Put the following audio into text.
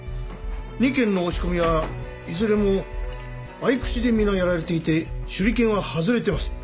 ２件の押し込みはいずれも匕首で皆やられていて手裏剣は外れてます。